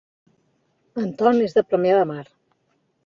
Anton és de Premià de Mar